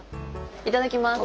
いただきます！